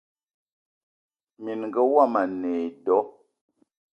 Minenga womo a ne e do.